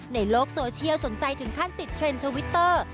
ในโลกโซเชียลสนใจถึงขั้นติดเทรนด์ทวิตเตอร์